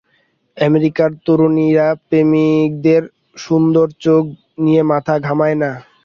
American তরুণীরা প্রেমিকদের সুন্দুর চোখ নিয়ে মাথা ঘামায় না।